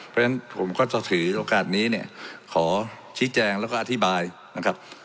เพราะฉะนั้นผมก็จะถือโอกาสนี้เนี่ยขอชี้แจงแล้วก็อธิบายนะครับ